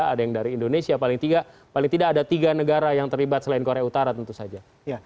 ada yang dari indonesia paling tidak paling tidak ada tiga negara yang terlibat selain korea utara tentu saja